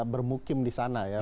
bermukim di sana